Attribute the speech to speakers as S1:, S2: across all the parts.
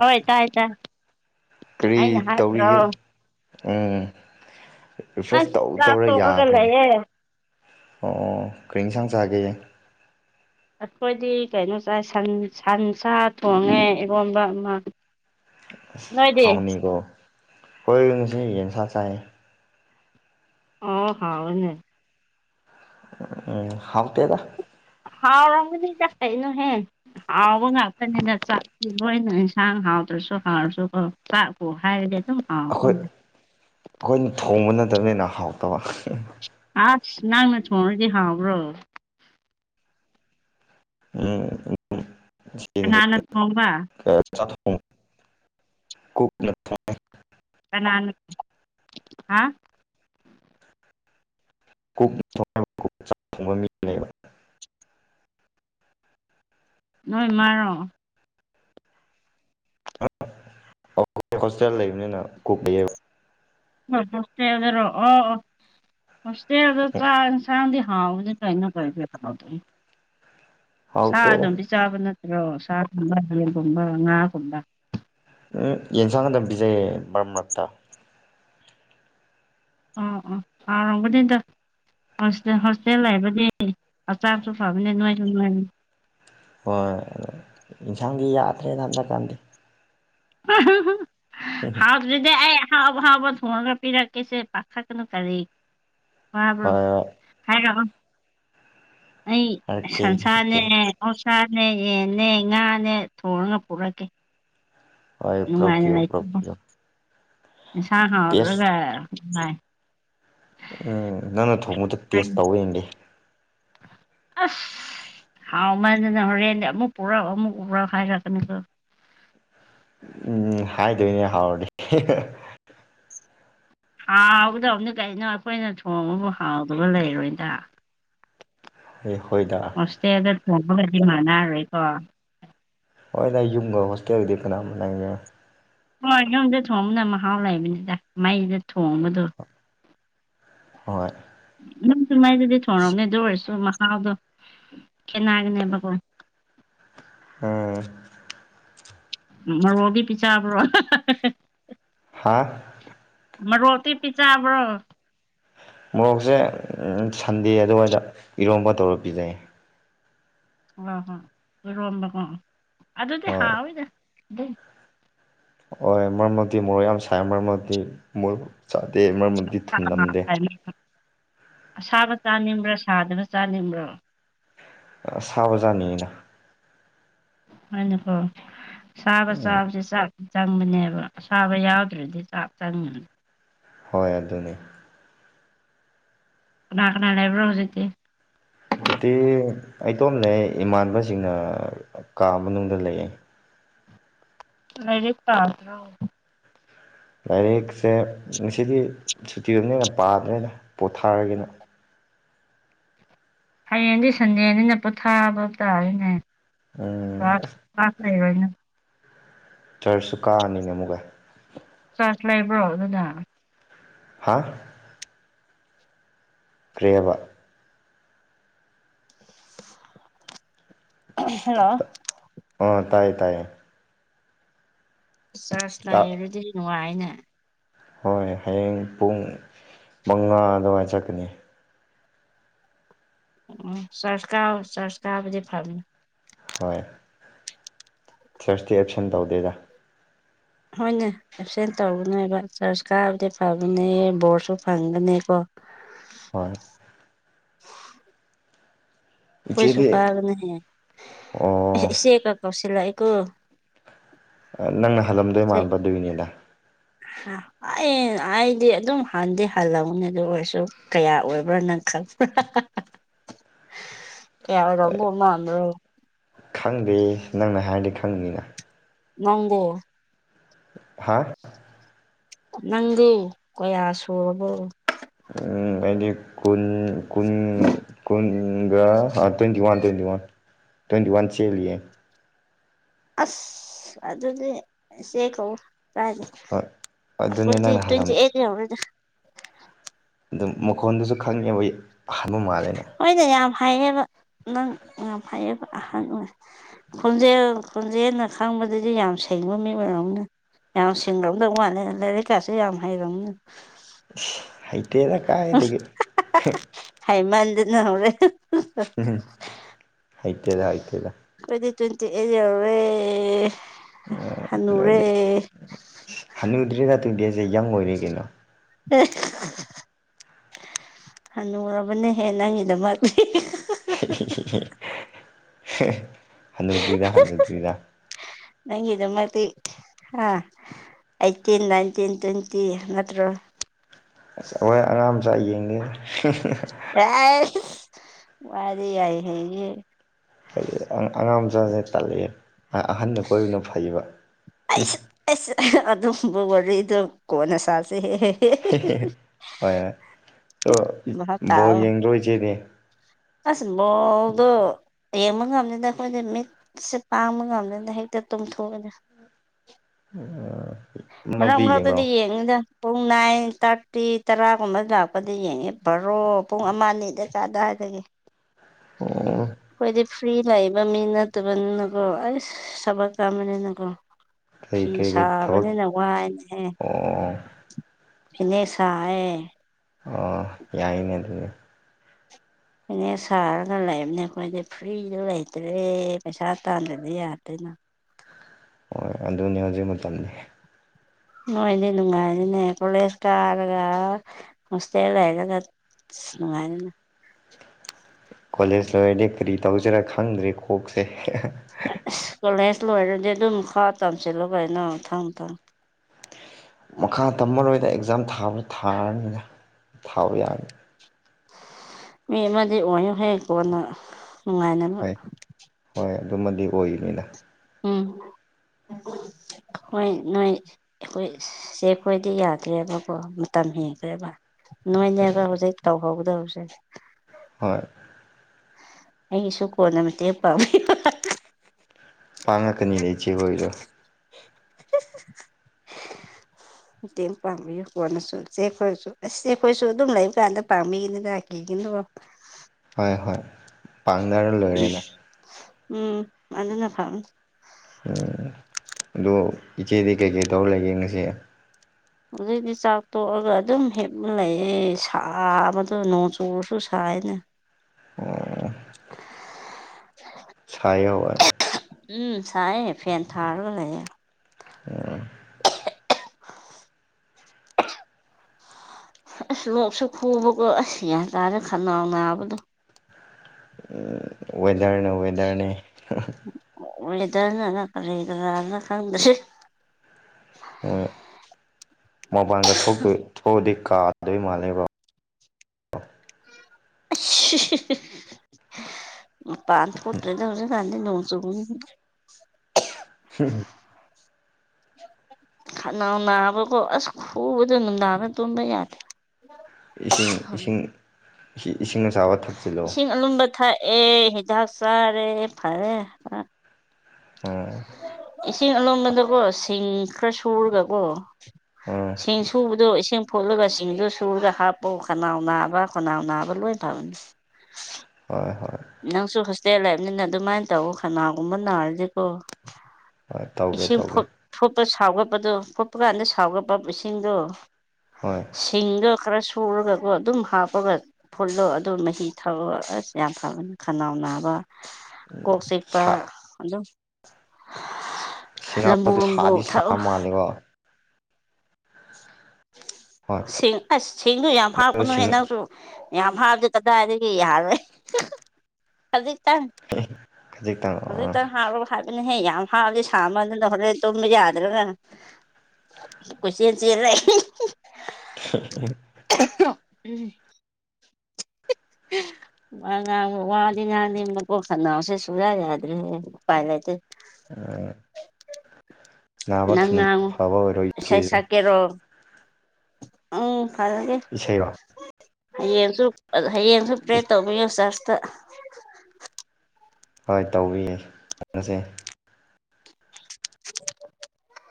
S1: ꯍꯣꯏ ꯇꯥꯏ ꯇꯥꯏ ꯑꯩꯅ
S2: ꯀꯔꯤ
S1: ꯍꯥꯏꯗ꯭ꯔꯣ
S2: ꯇꯧꯔꯤꯒꯦ ꯎꯝ ꯔꯤꯐ꯭ꯔꯦꯁ
S1: ꯑꯁ
S2: ꯇꯧ
S1: ꯆꯥꯛ
S2: ꯇꯧꯔ
S1: ꯇꯣꯛꯔꯒ
S2: ꯌꯥꯈ꯭ꯔꯦꯅꯦ
S1: ꯂꯩꯌꯦꯦ
S2: ꯑꯣ ꯀꯩ ꯏꯟꯁꯥꯡ ꯆꯥꯒꯦ
S1: ꯑꯩꯈꯣꯏꯗꯤ ꯀꯩꯅꯣ ꯆꯥꯏ ꯁꯟ ꯁꯟ ꯁꯥꯥ ꯊꯣꯡꯉꯦ ꯏꯔꯣꯟꯕ ꯑꯃ
S2: ꯑꯁ
S1: ꯅꯣꯏꯗꯤ
S2: ꯍꯥꯎꯅꯤꯀꯣ ꯈꯣꯏ ꯉꯁꯤ ꯌꯦꯟꯁꯥ ꯆꯥꯏ
S1: ꯑꯣ ꯍꯥꯎꯒꯅꯦ
S2: ꯎꯝ ꯍꯥꯎꯇꯦꯗ
S1: ꯍꯥꯎꯔꯝꯒꯅꯤꯗ ꯀꯩꯅꯣꯍꯦ ꯍꯥꯎꯕ ꯉꯥꯛꯇꯅꯤꯅ ꯆꯥꯛꯇ ꯂꯣꯏꯅ ꯏꯟꯁꯥꯡ ꯍꯥꯎꯗ꯭ꯔꯁꯨ ꯍꯥꯎꯔꯁꯨ ꯆꯥꯛꯄꯣ ꯍꯥꯏꯔꯗꯤ ꯑꯗꯨꯝ
S2: ꯑꯩꯈꯣꯏ
S1: ꯍꯥꯎꯕꯅꯤꯗ
S2: ꯑꯩꯈꯣꯏꯅ ꯊꯣꯡꯕ ꯅꯠꯇꯕꯅꯤꯅ ꯍꯥꯎꯇꯕ
S1: ꯑꯁ ꯅꯪꯅ ꯊꯣꯡꯔꯗꯤ ꯍꯥꯎꯕ꯭ꯔꯣ
S2: ꯎꯝ
S1: ꯀꯅꯥꯅ ꯊꯣꯡꯕ
S2: [unintelligible] [unintelligible] [unintelligible]
S1: [unintelligible] ꯍꯥ
S2: [unintelligible]
S1: ꯅꯣꯏ ꯃꯥꯔꯣ
S2: [unintelligible] ꯍꯣꯁꯇꯦꯜ ꯂꯩꯕꯅꯤꯅ ꯀꯨꯛ ꯂꯩꯌꯦꯕ
S1: ꯍꯣꯁꯇꯦꯜꯗꯔꯣ ꯑꯣ ꯑꯣ ꯑꯣ ꯍꯣꯁꯇꯦꯜꯗ ꯆꯥꯛ ꯏꯟꯁꯥꯡꯗꯤ ꯍꯥꯎꯕꯅꯤ
S2: ꯍꯥꯎꯇꯦꯗ
S1: [unintelligible] ꯆꯥꯕ ꯅꯠꯇ꯭ꯔꯣ ꯁꯥꯒꯨꯝꯕ ꯌꯦꯟꯒꯨꯝꯕ ꯉꯥꯒꯨꯝꯕ
S2: ꯎꯝ ꯌꯦꯟꯁꯥꯡ ꯑꯗꯨꯝ ꯄꯤꯖꯩꯌꯦ ꯃꯔꯛ ꯃꯔꯛꯇ
S1: ꯑꯣ ꯑꯣ ꯍꯥꯎꯔꯝꯒꯅꯤꯗ ꯍꯣꯁ ꯍꯣꯁꯇꯦꯜ ꯂꯩꯕꯗꯤ ꯍꯛꯆꯥꯡꯁꯨ ꯐꯕꯅꯦ ꯅꯣꯏꯁꯨ ꯅꯣꯏꯕꯅꯤ
S2: ꯍꯣꯏ ꯑꯗꯣ ꯌꯦꯟꯁꯥꯡꯗꯤ ꯌꯥꯗ꯭ꯔꯦꯅ ꯍꯟꯗꯛ ꯀꯥꯟꯗꯤ
S1: [unintelligible]
S2: [unintelligible]
S1: ꯍꯥꯎꯇ꯭ꯔꯗꯤ ꯑꯩ ꯑꯍꯥꯎ ꯑꯍꯥꯎꯕ ꯊꯣꯡꯔꯒꯥ ꯄꯤꯔꯛ ꯀꯦꯁꯦ ꯄꯥꯈꯠ ꯀꯅꯨ ꯀꯔꯤ ꯋꯥꯕ꯭ꯔꯣ
S2: ꯍꯣꯏ ꯍꯣꯏ
S1: ꯍꯥꯏꯔꯛꯑꯣ ꯑꯩ
S2: ꯍꯥꯏꯔꯛꯀꯦ
S1: ꯁꯟꯁꯥꯅꯦ
S2: ꯍꯥꯏꯔꯛꯀꯦ
S1: ꯑꯣꯛꯁꯥꯅꯦ ꯌꯦꯟꯅꯦ ꯉꯥꯅꯦ ꯊꯣꯡꯔꯒ ꯄꯨꯔꯛꯀꯦ
S2: ꯍꯣꯏ
S1: ꯅꯨꯡꯉꯥꯏꯅ
S2: ꯄꯨꯔꯛꯄꯤꯌꯣ
S1: ꯂꯩꯊꯣꯛꯑꯣ
S2: ꯄꯨꯔꯛꯄꯤꯌꯣ
S1: ꯏꯟꯁꯥꯡ
S2: ꯇꯦꯁ
S1: ꯍꯥꯎꯗ꯭ꯔꯒ ꯅꯨꯡꯉꯥꯏ
S2: ꯎꯝ ꯅꯪꯅ ꯊꯣꯡꯕꯗ ꯇꯦꯁ ꯇꯧ ꯌꯦꯡꯒꯦ
S1: ꯑꯁ ꯍꯥꯎꯃꯗꯅ ꯍꯣꯔꯦꯟꯗꯤ ꯑꯃꯨꯛ ꯄꯨꯔꯛ ꯑꯃꯨꯛ ꯄꯨꯔꯛ ꯍꯥꯏꯔꯛꯀꯅꯤꯗ
S2: ꯎꯝ ꯍꯥꯏꯗꯣꯏꯅꯦ ꯍꯥꯎꯔꯗꯤ
S1: ꯍꯥꯎꯒꯗꯕꯅꯤ ꯀꯩꯅꯣ ꯑꯩꯈꯣꯏꯅ ꯊꯣꯡꯕꯕꯨ ꯍꯥꯎꯗꯕ ꯂꯩꯔꯣꯏꯗ
S2: ꯑꯩꯈꯣꯏꯗ
S1: ꯍꯣꯁꯇꯦꯗ ꯊꯣꯡꯕꯒꯗꯤ ꯃꯥꯟꯅꯔꯣꯏꯀꯣ
S2: ꯍꯣꯏꯗ ꯌꯨꯝꯒ ꯍꯣꯁꯇꯦꯜꯗꯤ ꯀꯅꯥꯝꯅꯪꯉ
S1: ꯍꯣꯏ ꯌꯨꯝꯗ ꯊꯣꯡꯕꯅ ꯃꯍꯥꯎ ꯂꯩꯕꯅꯤꯗ ꯃꯩꯗ ꯊꯣꯡꯕꯗꯣ
S2: ꯍꯣꯏ
S1: ꯑꯗꯨꯝꯁꯨ ꯃꯩꯗꯨꯗꯤ ꯊꯣꯡꯉꯛꯅꯦ ꯑꯗꯨ ꯑꯣꯏꯔꯁꯨ ꯃꯍꯥꯎꯗꯣ ꯈꯦꯠꯅꯒꯅꯦꯕꯀꯣ
S2: ꯎꯝ
S1: ꯃꯔꯣꯛꯗꯤ ꯄꯤꯆꯥꯥꯕ꯭ꯔꯣ
S2: ꯍꯥ
S1: ꯃꯣꯔꯣꯛꯇꯤ ꯄꯤꯖꯥꯕ꯭ꯔꯣ
S2: ꯃꯣꯔꯣꯛꯁꯦ ꯁꯟꯗꯦ ꯑꯗꯨꯋꯥꯏꯗ ꯏꯔꯣꯝꯕ ꯇꯧꯔ ꯄꯤꯖꯩ
S1: ꯍꯣꯏ ꯍꯣꯏ ꯂꯔꯣꯝꯕꯀꯣ ꯑꯗꯨꯗꯤ
S2: ꯍꯣꯏ
S1: ꯍꯥꯎꯑꯣꯏꯗ ꯑꯗꯨ
S2: ꯍ ꯃꯔꯛ ꯃꯔꯛꯗꯤ ꯃꯔꯣꯛ ꯌꯥꯝ ꯁꯥꯏ ꯃꯔꯛ ꯃꯔꯛꯗꯤ ꯃꯣꯔꯣꯛ ꯆꯥꯗꯦ ꯃꯔꯛ ꯃꯔꯛꯗꯤ ꯊꯨꯝ ꯅꯝꯗꯦ
S1: [unintelligible] ꯑꯁꯥꯕ ꯆꯥꯅꯤꯡꯕ꯭ꯔꯥ ꯁꯥꯗꯕ ꯆꯥꯅꯤꯡꯕ꯭ꯔꯥ
S2: ꯑꯁꯥꯕ ꯆꯥꯅꯤꯡꯉꯤꯅ
S1: ꯍꯥꯏꯅꯤꯀꯣ ꯁꯥꯕ
S2: ꯎꯝ
S1: ꯆꯥꯕꯁꯦ ꯆꯥꯛ ꯆꯪꯕꯅꯦꯕ ꯑꯁꯥꯕ ꯌꯥꯎꯗ꯭ꯔꯗꯤ ꯆꯥꯛ ꯆꯪꯉꯅꯤ
S2: ꯍꯣꯏ ꯑꯗꯨꯅꯤ
S1: ꯀꯅꯥ ꯀꯅꯥ ꯂꯩꯕ꯭ꯔꯣ ꯍꯧꯖꯤꯛꯇꯤ
S2: ꯍꯧꯖꯤꯛꯇꯤ ꯑꯩꯇꯣꯝ ꯂꯩ ꯏꯃꯅꯕꯁꯤꯡꯅ ꯀꯥ ꯃꯅꯨꯡꯗ ꯂꯩ
S1: ꯂꯥꯢꯔꯤꯛ ꯄꯥꯕ꯭ꯔꯣ
S2: ꯂꯥꯏꯔꯤꯛꯁꯦ ꯉꯁꯤꯗꯤ ꯁꯨꯇꯤ ꯑꯣꯕꯅꯤꯅ ꯄꯥꯗ꯭ꯔꯦ ꯄꯣꯊꯥꯔꯒꯦꯅ
S1: ꯍꯌꯦꯡꯗꯤ ꯁꯟꯗꯦꯅꯤꯅ ꯄꯣꯊꯥꯕ ꯇꯥꯔꯦꯅꯦ
S2: ꯎꯝ ꯑꯁ
S1: ꯀ꯭ꯂꯥꯁ ꯂꯩꯔꯣꯏꯅ
S2: ꯆꯔꯁꯁꯨ ꯀꯥꯅꯤꯅꯦ ꯑꯃꯨꯛꯀ
S1: ꯆꯥꯔꯖ ꯂꯩꯕ꯭ꯔꯣ ꯑꯗꯨꯗ
S2: ꯍꯥꯥ ꯀꯔꯤ ꯍꯥꯏꯕ
S1: ꯍꯤꯂꯣ
S2: ꯑꯥ ꯇꯥꯏꯌꯦ ꯇꯥꯏꯌꯦ
S1: ꯆꯥꯔꯖ
S2: ꯇꯥ
S1: ꯂꯩꯔꯗꯤ ꯅꯨꯡꯉꯥꯏꯅꯦ
S2: ꯍꯣꯏ ꯍꯌꯦꯡ ꯄꯨꯡ ꯃꯉꯥ ꯑꯗꯨꯋꯥꯏ ꯆꯠꯀꯅꯤ
S1: ꯎꯝ ꯆꯥꯔꯖ ꯀꯥꯎ ꯆꯥꯔꯖ ꯀꯕꯖꯦ ꯐꯕꯅꯦ
S2: ꯍꯣꯏ ꯆꯥꯔꯖꯇꯤ ꯑꯦꯞꯁꯦꯠ ꯇꯧꯗꯦꯗ
S1: ꯍꯣꯏꯅꯦ ꯑꯦꯞꯁꯦꯟ ꯇꯧꯒꯅꯣ ꯍꯥꯏꯕ ꯆꯥꯔꯆ ꯀꯥꯕꯗꯤ ꯐꯕꯅꯦ ꯕꯣꯔꯁꯨ ꯐꯪꯒꯅꯦ ꯀꯣ
S2: ꯍꯣꯏ
S1: ꯑꯩꯈꯣꯏꯁꯨ
S2: ꯏꯆꯦꯗꯤ
S1: ꯀꯥꯒꯅꯦ ꯍꯦ
S2: ꯑꯣ
S1: ꯏꯆꯦꯒ ꯀꯧꯁꯤꯜꯂꯛꯏꯦꯀꯣ
S2: ꯅꯪꯅ ꯍꯜꯂꯝꯗꯣꯏ ꯃꯥꯟꯕ ꯑꯗꯨꯒꯤꯅꯤꯗ
S1: [unintelligible] ꯑꯩ ꯑꯩꯗꯤ ꯑꯗꯨꯝ ꯍꯥꯟꯗꯤ ꯍꯜꯂꯝꯅꯤ ꯑꯗꯨ ꯑꯣꯏꯔꯁꯨ ꯀꯌꯥ ꯑꯣꯏꯕ꯭ꯔꯥ ꯅꯪ ꯈꯪꯕ꯭ꯔꯥ
S2: [inaudible]
S1: ꯀꯌꯥ ꯑꯣꯏꯔꯝꯗꯣꯏ ꯃꯥꯟꯕ꯭ꯔꯣ
S2: ꯈꯪꯗꯦ ꯅꯪꯅ ꯍꯥꯏꯔꯗꯤ ꯈꯪꯅꯤꯅ
S1: ꯅꯪꯕꯣ
S2: ꯍꯥꯥ
S1: ꯅꯪꯗꯤ ꯀꯌꯥ ꯁꯨꯔꯕꯣ
S2: ꯑꯗꯤ ꯀꯨꯟ
S1: [unintelligible]
S2: ꯀꯨꯡꯒ twenty one twenty one twenty ꯆꯦꯜꯂꯤꯌꯦ
S1: ꯑꯁ ꯑꯗꯨꯗꯤ ꯏꯆꯦ ꯀꯧ [unintelligible]
S2: ꯍꯣꯏ ꯑꯗꯨꯅꯦ
S1: ꯑꯩꯈꯣꯏꯗꯤ
S2: ꯅꯪꯅ
S1: ꯇ꯭ꯋꯤꯟ
S2: ꯍꯜꯂꯝ
S1: ꯏꯥ꯭ꯖꯍꯇ ꯌꯧꯔꯦꯗ
S2: ꯑꯗꯨꯝ ꯃꯈꯣꯟꯗꯨꯁꯨ ꯈꯪꯉꯦꯕ ꯑꯩ ꯑꯍꯥꯜ ꯃꯥꯜꯂꯦꯕ
S1: ꯍꯣꯏꯅꯦ ꯌꯥꯝ ꯍꯥꯏꯌꯦꯕ ꯅꯪ ꯌꯥꯝ ꯍꯥꯏꯌꯦꯕ [unintelligible] ꯈꯣꯟꯖꯦꯜ ꯈꯣꯟꯖꯦꯜꯟꯅ ꯈꯪꯕꯗꯨꯗꯤ ꯌꯥꯝ ꯁꯦꯡꯕ ꯃꯤ ꯑꯣꯏꯔꯝꯒꯅꯤ ꯌꯥꯝ ꯁꯤꯡꯔꯧꯗꯧ ꯃꯥꯜꯂꯦ ꯂꯥꯏꯔꯤꯛ ꯀꯥꯁꯦ ꯌꯥꯝ ꯍꯩꯔꯝꯅꯤ
S2: ꯍꯩꯇꯦꯗ ꯀꯥꯏꯗꯒꯤ
S1: [unintelligible] ꯍꯧꯔꯦ
S2: ꯎꯝ ꯍꯩꯇꯦꯗ ꯍꯥꯇꯦꯗ
S1: ꯑꯩꯗꯤ ꯇ꯭ꯋꯦꯟꯇꯤ ꯏꯥ꯭ꯖꯍꯇ ꯌꯧꯔꯦ ꯍꯅꯨꯔꯦ
S2: ꯅꯣꯏꯗꯤ ꯍꯅꯨꯗ꯭ꯔꯤꯗ ꯇ꯭ꯋꯤꯟꯇꯤ ꯏꯥ꯭ꯖꯍꯇ ꯁꯦ ꯌꯪ ꯑꯣꯏꯔꯤ ꯀꯩꯅꯣ
S1: [unintelligible] ꯍꯅꯨꯔꯕꯅꯍꯦ ꯅꯪꯒꯤꯗꯃꯛ
S2: [unintelligible] ꯍꯜꯅꯨꯗ꯭ꯔꯤꯗ ꯍꯜꯊꯗ꯭ꯔꯤꯗ
S1: ꯅꯪꯒꯤꯗꯃꯛꯇꯤ ꯍꯥ ꯑꯩꯠꯇꯤꯟ ꯅꯥꯟꯏꯇꯤꯟ ꯇ꯭ꯋꯦꯟꯇꯤ ꯅꯠꯇ꯭ꯔꯣ
S2: ꯑꯁ ꯑꯩꯈꯣꯏ ꯑꯉꯥꯡ ꯃꯆꯥ ꯌꯦꯡꯗ
S1: [unintelligible]
S2: ꯍꯥꯏꯗꯤ ꯑꯉꯥꯡ ꯃꯆꯥꯁꯦ ꯇꯠꯂꯛꯑꯦ ꯑꯍꯟꯅ ꯀꯣꯏꯕꯅ ꯐꯩꯌꯦꯕ
S1: ꯑꯁ ꯑꯗꯨꯝꯕ ꯋꯥꯔꯤꯗꯣ ꯀꯣꯟꯅ ꯁꯥꯁꯦꯍꯦꯍꯦ
S2: [unintelligible] ꯍꯣꯏ ꯍꯣꯏ ꯑꯣ
S1: ꯚꯥꯞ
S2: ꯕꯣꯜ
S1: ꯇꯥꯎ
S2: ꯌꯦꯡꯗꯔꯣ ꯏꯆꯦꯗꯤ
S1: ꯑꯁ ꯕꯣꯜꯗꯣ ꯌꯦꯡꯕ ꯉꯝꯗꯦꯗ ꯑꯩꯈꯣꯏꯗꯤ ꯃꯤꯠ ꯃꯤꯠꯁꯦ ꯄꯥꯡꯕ ꯉꯝꯗꯅ ꯍꯦꯛꯇ ꯇꯨꯝꯊꯣꯛꯑꯗ
S2: ꯑ
S1: ꯃꯅꯥꯛ ꯃꯅꯥꯛꯇꯗꯤ ꯌꯦꯡꯉꯤꯗ ꯄꯨꯡ ꯅꯥꯏꯟ ꯊꯥꯔꯇꯤ ꯇꯔꯥꯒꯨꯝꯕ ꯂꯥꯛꯄꯗꯗꯤ ꯌꯦꯡꯉꯦ ꯕꯥꯔꯣ ꯄꯨꯡ ꯑꯃ ꯑꯅꯤꯗ ꯆꯥ ꯑꯗꯨ꯭ꯋꯥꯏꯗꯒꯤ
S2: ꯑꯣ
S1: ꯑꯩꯈꯣꯏꯗꯤ ꯐ꯭ꯔꯤ ꯂꯥꯛꯏꯕ ꯃꯤ ꯅꯠꯇꯕꯅꯤꯅꯀꯣ ꯑꯩꯁ ꯊꯕꯛ ꯆꯝꯕꯅꯤꯅꯀꯣ
S2: ꯀꯩ
S1: ꯐꯤ
S2: ꯀꯩ ꯀꯩ ꯊꯕꯛ
S1: ꯁꯥꯕꯅꯤꯅ ꯋꯥꯏꯅꯦꯍꯦ
S2: ꯑꯣ
S1: ꯐꯅꯦꯁꯑ
S2: ꯑ ꯌꯥꯏꯅꯦ ꯑꯗꯨꯗꯤ
S1: ꯑꯅꯦ ꯁꯥꯔꯒ ꯂꯩꯕꯅꯦ ꯑꯩꯈꯣꯏꯗꯤ ꯐ꯭ꯔꯤꯗ ꯂꯩꯇ꯭ꯔꯦ ꯄꯩꯁꯥ ꯇꯥꯟꯗꯗꯤ ꯌꯥꯗꯣꯏꯅ
S2: ꯍꯣꯏ ꯑꯗꯨꯅꯦ ꯍꯧꯖꯤꯛ ꯃꯇꯝꯗꯤ
S1: ꯅꯣꯏꯅꯦ ꯅꯨꯡꯉꯥꯏꯔꯤꯅꯦ ꯀꯣꯂꯦꯖ ꯀꯥꯔꯒ ꯍꯣꯁꯇꯦꯜ ꯂꯩꯔꯒ ꯅꯨꯡꯉꯥꯏꯅ
S2: ꯀꯣꯂꯦꯖ ꯂꯣꯏꯔꯗꯤ ꯀꯔꯤ ꯇꯧꯁꯤꯔꯥ ꯈꯪꯗ꯭ꯔꯦ ꯀꯣꯛꯁꯦ
S1: ꯑꯁ ꯀꯣꯜꯍꯦꯁ ꯂꯣꯏꯔꯗꯤ ꯑꯗꯨꯝ ꯈꯔ ꯇꯝꯁꯤꯜꯂꯨ ꯀꯩꯅꯣ ꯊꯪ ꯊꯪ
S2: ꯃꯈꯥ ꯇꯝꯃꯔꯣꯏꯗ ꯑꯦꯛꯖꯥꯝ ꯊꯥꯕ ꯊꯥꯔꯅꯤꯅ ꯊꯥꯕ ꯌꯥꯅꯤꯅꯤ
S1: ꯃꯤ ꯑꯃꯗꯤ ꯑꯣꯏꯌꯨ ꯍꯦꯛ ꯀꯣꯟꯅ ꯅꯨꯡꯉꯥꯏꯅ
S2: ꯍꯣꯏ ꯍꯣꯏ ꯑꯗꯨꯃꯗꯤ ꯑꯣꯏꯅꯤꯅ
S1: ꯎꯝ ꯍꯣꯏ ꯅꯣꯏ ꯑꯩꯈꯣꯏ ꯁꯦ ꯑꯩꯈꯣꯏꯗꯤ ꯌꯥꯗ꯭ꯔꯦꯕꯀꯣ ꯃꯇꯝ ꯍꯦꯟꯈ꯭ꯔꯦꯕ ꯅꯣꯏꯅꯦꯕ ꯍꯧꯖꯤꯛ ꯇꯧꯍꯧꯗꯧꯁꯦ
S2: ꯍꯣꯏ
S1: ꯑꯩꯒꯤꯁꯨ ꯀꯣꯟꯅ ꯃꯇꯦꯡ ꯄꯥꯡꯏ
S2: ꯄꯥꯡꯉꯛꯀꯅꯤꯗ ꯏꯆꯦ ꯍꯣꯏꯔꯣ
S1: ꯃꯇꯦꯡ ꯄꯥꯡꯕꯤꯌꯨ ꯀꯣꯟꯅꯁꯨ ꯆꯦꯈꯣꯏꯅꯁꯨ ꯑꯁ ꯆꯦ ꯑꯩꯈꯣꯏꯁꯨ ꯑꯗꯨꯝ ꯂꯩꯕ ꯀꯥꯟꯗ ꯄꯥꯡꯕꯤꯒꯅꯤꯗ ꯀꯤꯒꯤꯅꯕ
S2: ꯍꯣꯏ ꯍꯣꯏ ꯄꯥꯡꯅꯔ ꯂꯣꯏꯔꯦꯅ
S1: ꯎꯝ ꯑꯗꯨꯅ ꯐꯥꯎꯅꯤ
S2: ꯑꯗ ꯏꯆꯦꯗꯤ ꯀꯩꯀꯩ ꯇꯧꯔ ꯂꯩꯒꯦ ꯉꯁꯤꯦ
S1: ꯍꯧꯖꯤꯛꯇꯤ ꯆꯥꯛ ꯇꯣꯛꯑꯒ ꯑꯗꯨꯝ ꯍꯦꯞꯅ ꯂꯩꯌꯦ ꯁꯥꯕꯗꯣ ꯅꯣꯡ ꯆꯨꯔꯁꯨ ꯁꯥꯏꯅ
S2: ꯑꯣ
S1: [unintelligible]
S2: ꯁꯌꯋ
S1: ꯎꯝ ꯁꯥꯏꯌꯦꯦ ꯐꯦꯟ ꯊꯥꯔꯒ ꯂꯩ
S2: ꯎꯝ
S1: [unintelligible] ꯑꯁ ꯂꯣꯛꯁꯨ ꯈꯨꯕꯒꯣ ꯑꯁ ꯒ꯭ꯌꯥꯟ ꯇꯥꯔꯦ ꯈꯅꯥꯎ ꯅꯥꯕꯗꯣ
S2: ꯋꯦꯗꯔꯅꯦ ꯋꯦꯗꯔꯅꯦ
S1: ꯋꯦꯗꯔꯅꯅ ꯀꯔꯗ꯭ꯔꯥꯅ ꯈꯪꯗ꯭ꯔꯦ
S2: ꯍꯣꯏ ꯃꯄꯥꯟꯒ ꯊꯣꯛꯇꯣꯏ ꯊꯣꯛꯑꯗꯤ ꯀꯥꯗꯣꯏ ꯃꯥꯜꯂꯦꯕꯣ
S1: ꯄꯥꯟꯊ ꯄꯣꯇ꯭ꯔꯗ ꯍꯧꯖꯤꯁꯨ ꯈꯗ ꯂꯨꯅ ꯁ
S2: ꯍ
S1: ꯈꯅꯥ ꯅꯥꯕꯒꯣ ꯑꯁ ꯈꯨꯕ ꯑꯗꯨ ꯅꯥꯅ ꯇꯨꯝꯕ ꯌꯥꯗ꯭ꯔꯦ
S2: ꯏꯁꯤꯡ ꯏꯁꯤꯡ ꯏꯁꯤꯡꯅ ꯆꯥꯕ
S1: ꯏꯁꯤꯡ ꯑꯨꯝꯕ ꯊꯛꯑꯦ ꯍꯤꯗꯥꯛ ꯆꯥꯔꯦ ꯐꯔꯦ
S2: ꯎꯝ
S1: ꯏꯁꯤꯡ ꯑꯂꯣꯝꯕꯗꯀꯣ ꯁꯤꯡ ꯈꯔ ꯁꯨꯔꯒꯀꯣ
S2: ꯎꯝ
S1: ꯁꯤꯡ ꯁꯨꯕꯗꯣ ꯏꯁꯤꯡ ꯐꯣꯠꯂꯒ ꯁꯤꯡꯗꯨ ꯁꯨꯔꯒ ꯍꯥꯞꯄꯨ ꯈꯅꯥꯎ ꯅꯥꯕ ꯈꯅꯥꯎ ꯅꯥꯕ ꯂꯣꯏ ꯐꯕꯅꯤ
S2: ꯍꯣꯏ ꯍꯣꯏ
S1: ꯅꯪꯁꯨ ꯍꯣꯁꯇꯦꯜ ꯂꯥꯏꯕꯅꯤꯅ ꯑꯗꯨꯃꯥꯏꯅ ꯇꯧꯕ ꯀꯅꯥꯒꯨꯝꯕ ꯅꯥꯔꯗꯤꯀꯣ
S2: ꯍꯣꯏ ꯇꯧꯒꯦ
S1: ꯏꯁꯤꯡ
S2: ꯇꯧꯒꯦ
S1: ꯐꯣꯄ ꯁꯥꯎꯒꯠꯄꯗꯣ ꯈꯣꯠꯄ ꯀꯥꯟꯗ ꯁꯥꯎꯒꯠꯄ ꯏꯁꯤꯡꯗꯣ
S2: ꯍꯣꯏ
S1: ꯁꯤꯡꯒ ꯈꯔ ꯁꯨꯔꯒꯀꯣ ꯑꯗꯨꯝ ꯍꯥꯞꯄꯒ ꯐꯨꯜꯂꯣ ꯑꯗꯨ ꯃꯍꯤ ꯊꯛꯔꯑꯣ ꯑꯁ ꯌꯥꯝ ꯐꯕꯅ ꯈꯅꯥꯎ ꯅꯥꯕ ꯀꯣꯛ ꯁꯛꯄ
S2: ꯁꯥ
S1: ꯑꯗꯨꯝ ꯂꯕꯨ
S2: ꯁꯤꯡꯉꯥꯕꯗꯣ
S1: ꯂꯕꯨ
S2: ꯁꯥꯗꯤ ꯁꯥ
S1: ꯊꯛ
S2: ꯃꯥꯜꯂꯦꯀꯣ ꯍꯣꯏ
S1: ꯁꯤꯡ ꯑꯁ ꯁꯤꯡꯗ ꯌꯥꯝ
S2: ꯑꯗꯣ
S1: ꯍꯥꯞꯄꯅꯨ ꯍꯦ
S2: ꯁꯤꯡ
S1: ꯅꯪꯁꯨ ꯌꯥꯝ ꯐꯕꯗꯤ ꯀꯗꯥꯏꯗꯒꯤ ꯌꯥꯔꯦ ꯈꯖꯤ ꯇꯥꯏ
S2: ꯈꯖꯤꯛꯇꯪ
S1: ꯍꯧꯖꯤꯛꯇ ꯍꯥꯥꯎꯔꯣ ꯍꯥꯏꯕꯅꯤꯍꯦꯛ ꯌꯥꯝ ꯍꯥꯥꯎꯕꯗꯤ ꯁꯥꯃꯅꯤꯅ ꯍꯣꯔꯦꯟ ꯇꯨꯝꯕ ꯌꯥꯗ꯭ꯔꯒ ꯈꯨꯁꯤꯟꯁꯤꯔꯦ
S2: ꯍ ꯍ
S1: ꯎ
S2: [inaudible]
S1: ꯃꯥ ꯉꯍ ꯋꯥꯗꯤ ꯉꯍꯥꯟꯗꯤ ꯃꯀꯣꯛ ꯈꯅꯥꯎꯁꯦ ꯁꯨꯌꯥ ꯌꯥꯗ꯭ꯔꯦ ꯎꯄꯥꯏ ꯂꯩꯇꯦ
S2: ꯎ ꯅꯥꯕ ꯊꯨꯅ ꯐꯕ ꯑꯣꯏꯔꯣ ꯏꯆꯦꯁꯨ
S1: ꯀꯔꯣ ꯎ ꯐꯔꯒꯦ
S2: ꯏꯁꯩꯔꯣ
S1: ꯍꯌꯦꯡꯁꯨ ꯍꯌꯦꯡꯁꯨ ꯄ꯭ꯔꯦ ꯇꯧꯕꯤꯌꯣ ꯆꯔꯁꯇ
S2: ꯍꯣꯏ ꯇꯧꯕꯤꯌꯦꯦ ꯌꯦꯡꯁꯦ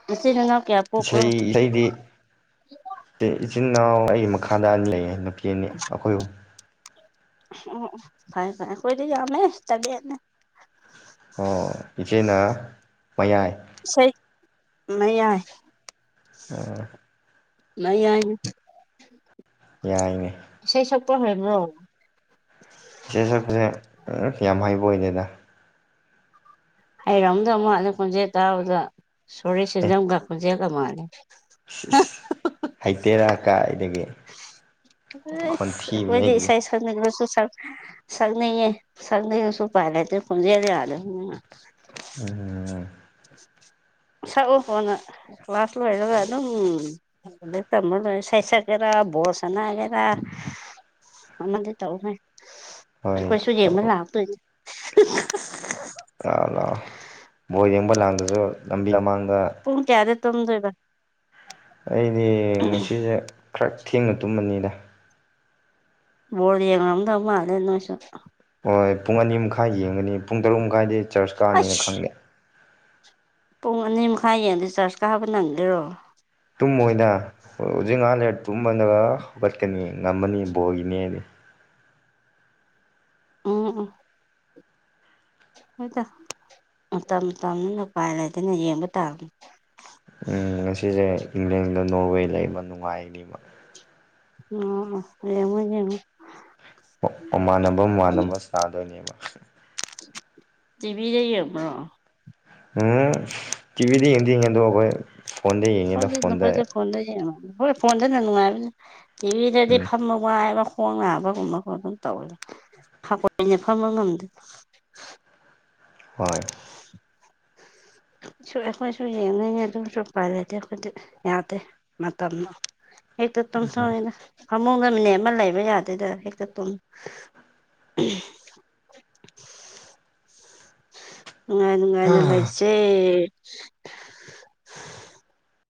S1: ꯃꯁꯤ ꯅ ꯀꯌꯥ ꯄꯣꯛꯄ꯭ꯔꯣ
S2: ꯏꯁꯩ ꯏꯁꯩꯗꯤ ꯏꯆꯤꯟ ꯏꯅꯥꯎ ꯑꯩꯒꯤ ꯃꯈꯥꯗ ꯑꯅꯤ ꯂꯩꯌꯦ ꯅꯨꯄꯤ ꯑꯅꯤ ꯑꯩꯈꯣꯏꯕꯨ
S1: ꯑꯣ ꯑꯣ ꯐꯔꯦ ꯐꯔꯦ ꯑꯩꯈꯣꯏꯗꯤ ꯌꯥꯝꯃꯦ ꯇꯔ‌ꯦꯠꯅ‌ꯦ
S2: ꯑꯣ ꯏꯆꯦꯅ ꯃꯌꯥꯏ
S1: ꯏꯁꯩ ꯃ ꯌꯥꯏ
S2: ꯑ
S1: ꯃꯌꯥꯏꯅ‌ꯦ
S2: ꯌꯥꯏꯅꯦ
S1: ꯏꯁꯩ ꯁꯣꯛꯄ ꯍꯩꯕ꯭ꯔꯣ
S2: ꯏꯁꯩ ꯁꯛꯄꯁꯦ ꯌꯥꯝ ꯍꯩꯕ ꯑꯣꯏꯗ‌ꯦꯗ
S1: ꯍꯩꯔꯝꯗꯧ ꯃꯥꯜꯂꯦ ꯈꯣꯟꯖꯦꯜ ꯇꯥꯕꯗ ꯁꯣꯔꯤ ꯁꯦꯟꯖꯝꯒ ꯈꯣꯟꯖꯦꯜꯒ ꯃꯥꯂꯦ
S2: ꯍꯩꯇꯦꯗ ꯀꯥꯏꯗꯒꯤ
S1: ꯏꯁ
S2: ꯈꯣꯟꯊꯤꯕꯅꯦ
S1: ꯑꯩꯈꯣꯏꯗꯤ
S2: ꯑꯩꯒꯤ
S1: ꯏꯁꯩ ꯁꯛꯅꯤꯡꫪꯁꯨ ꯁꯛꯅꯤꯡꯉꯦ ꯁꯛꯅꯤꯡꯉꯁꯨ ꯎꯄꯥꯏ ꯂꯩꯇ‌ꯦ ꯈꯨꯟꯖꯦꯜ ꯌꯥꯗꯝꯅꯤꯅ
S2: ꯑꯥ
S1: ꯁꯛꯑꯣ ꯀ‌ꯣꯟꯅ ꯀ꯭ꯂꯥꯁ ꯂꯣꯏꯔꯒ ꯑꯗꯨꯝ ꯇꯝꯃ ꯂꯣꯏꯔꯦ ꯁꯩ ꯁꯛꯀ‌ꯦꯔꯥ ꯕꯣꯜ ꯁꯥꯅꯒꯦꯔꯥ ꯑꯃꯗꯤ ꯇꯧꯍ‌ꯦ
S2: ꯍꯣꯏ
S1: ꯑꯩꯈꯣꯏꯁꯨ ꯌꯦꯡꯕ
S2: ꯇꯧ
S1: ꯂꯥꯛꯇꯣꯏꯅꯦ [unintelligible]
S2: ꯂꯥꯛꯑꯣ ꯂꯥꯛꯑꯣ ꯕꯣꯜ ꯌꯦꯡꯕ ꯂꯥꯡꯗꯁꯨ ꯂꯝꯕꯤ ꯂꯃꯥꯡꯗ
S1: ꯄꯨꯡ ꯀꯌꯥꯗ ꯇꯨꯝꯗꯣꯏꯕ
S2: ꯑꯩꯗꯤ ꯉꯁꯤꯁꯦ ꯈꯔ ꯊꯦꯡꯅ ꯇꯨꯝꯃꯅꯤꯗ
S1: ꯕ‌ꯦꯌꯦꯡ ꯉꯗꯑꯗꯅꯣꯏꯁꯨ
S2: ꯍꯣꯏ ꯄꯨꯡ ꯑꯅꯤ ꯃꯈꯥꯏ ꯌꯦꯡꯒꯅꯤ ꯄꯨꯡ ꯇꯔꯨꯛ ꯃꯈꯥꯏꯗꯤ ꯆꯔꯁ ꯀꯥꯅꯤꯅ
S1: ꯑꯩꯁ
S2: ꯈꯪꯗꯦ
S1: ꯄꯨꯡ ꯑꯅꯤ ꯃꯈꯥꯏ ꯌ‌ꯦꯡꯉꯗꯤꯌꯦ ꯆꯥꯔꯖ ꯀꯥꯕ ꯅꯪꯗꯦꯔꯣ
S2: ꯇꯨꯝꯃꯣꯏꯗ ꯍꯧꯖꯤꯛ ꯉꯍꯥꯛ ꯂꯩꯔꯒꯇꯨꯝꯃꯒ ꯍꯧꯒꯠꯀꯅꯤ ꯉꯝꯃꯅꯤ ꯕꯣꯜꯒꯤꯅ‌ꯦ ꯗꯤ
S1: ꯎꯝ ꯎ ꯍꯣꯏꯗ ꯃꯇꯝ ꯃꯇꯝꯅꯤꯅ ꯎꯄꯥꯏ ꯂꯩꯇ‌ꯦꯅ‌ꯦ ꯌꯦꯡꯕ ꯇꯥꯕꯅꯤ
S2: ꯉꯁꯤꯁꯦ ꯏꯪꯂꯦꯟꯒ ꯅꯣꯔꯋꯦꯒ ꯂꯩꯕ ꯅꯨꯡꯉꯥꯏꯅꯤꯕ
S1: ꯑ‌ꯣ ꯌ‌ꯦꯡꯉ‌ꯣ ꯌ‌ꯦꯡꯉ‌ꯦ
S2: ꯃꯃꯥꯟꯅꯕ ꯃꯃꯥꯟꯅꯕ ꯁ꯭ꯅꯥꯗꯣꯏꯅꯦꯕ
S1: ꯇꯤꯚꯤꯗ ꯌꯦꯡꯕ꯭ꯔꯣ
S2: ꯎꯝ ꯇꯤꯚꯤꯗꯤ ꯌꯦꯡꯗꯤ ꯌ‌ꯦꯡꯉ‌ꯦ ꯑꯗꯧꯈꯣꯏ
S1: ꯍꯣꯏ ꯅꯈꯣꯏꯁ‌ꯦ ꯐ‌ꯣꯟꯗ ꯌ‌ꯦꯡꯉꯝꯅꯤ ꯍ‌ꯣꯏ ꯐꯣꯟꯗꯅ ꯅꯨꯡꯉꯥꯏꯕꯅ‌ꯦ ꯇꯤꯚꯤꯗꯗꯤ
S2: ꯎꯝ
S1: ꯐꯝꯕ ꯋꯥꯏꯕ ꯈꯣꯡ ꯅꯥꯕꯒꯨꯝꯕ ꯈ‌ꯣꯠꯄ ꯇꯧꯕꯅ‌‍‌ꯦ ꯍꯀꯣꯏꯅ ꯐꯝꯕ ꯉꯝꯗꯦ
S2: ꯍꯣꯏ [inaudible]
S1: ꯁꯨ ꯑꯩꯈꯣꯏꯁꯨꯨ ꯌꯦꯡꯅꯤꯡꯉ‌ꯦ ꯑꯗꯨꯁꯨ ꯎꯄꯥꯏ ꯂꯩꯇ‌ꯦ ꯑꯩꯈꯣꯏꯗꯤ ꯌꯥꯗꯦ ꯃꯇꯝ [unintelligible] ꯐꯃꯨꯡꯗ ꯃꯅꯤꯠ ꯑꯃ ꯂꯩꯕ ꯌꯥꯗꯦꯗ ꯍꯦꯛꯇ ꯇꯨꯝꯃ‌ꯦ ꯅꯨꯡꯉꯥꯏ ꯅꯨꯡꯉꯥꯏꯅ ꯂꯩꯁꯦ